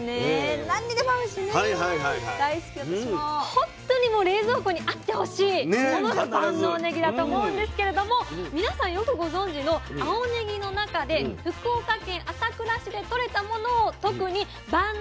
本当にもう冷蔵庫にあってほしいものが万能ねぎだと思うんですけれども皆さんよくご存じの「青ねぎ」の中で福岡県朝倉市で取れたものを特に「万能ねぎ」と呼んでるんですね。